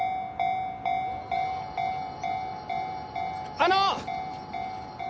あの！